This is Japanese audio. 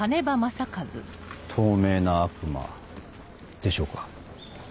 透明な悪魔でしょうか？